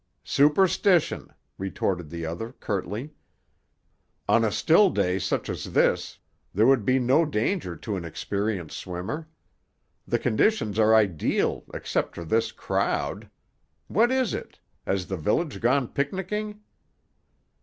"Superstition," retorted the other curtly. "On a still day such as this there would be no danger to an experienced swimmer. The conditions are ideal except for this crowd. What is it? Has the village gone picnicking?"